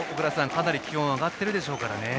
かなり気温が上がってるでしょうね。